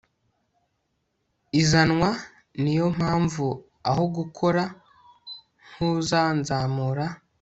izanwa niyo mpamvu Aho gukora nkuzanzamura